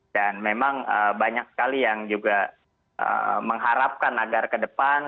dan memang banyak sekali yang juga mengharapkan agar ke depan